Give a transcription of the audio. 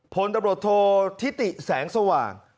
พลตำรวจโทษทิติแสงสว่าง